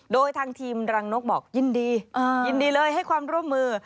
โดยทางทีมรังนกบอกยินดียินดีเลยให้ความร่วมมือ